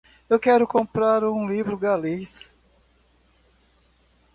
Eu quero comprar um livro galês.